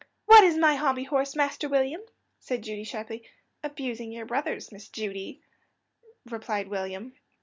"What is my hobby horse, Master William?" said Judy sharply. "Abusing your brothers, Miss Judy," replied William.